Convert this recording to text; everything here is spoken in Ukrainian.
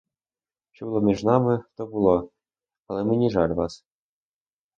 Що було між нами, то було, але мені жаль вас.